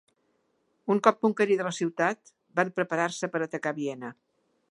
Un cop conquerida la ciutat, van preparar-se per atacar Viena.